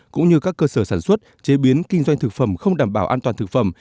cũng như các cơ sở sản xuất chế biến kinh doanh thực phẩm không đảm bảo an toàn thực phẩm